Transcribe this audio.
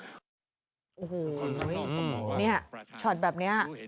แบบนี้ชอตแบบนี้